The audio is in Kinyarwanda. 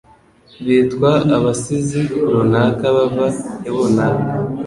bitwa ABASIZI runaka bava ibunaka